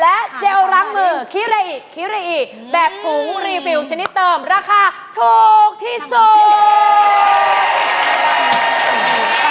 และเจลล้างมือคิริอิคิริอิแบบถุงรีวิวชนิดเติมราคาถูกที่สุด